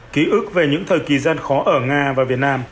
ký ức về những thời kỳ gian khó ở nga và việt nam